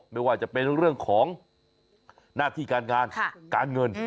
ไม่ว่าจะเป็นเรื่องของหน้าที่การงานการเงิน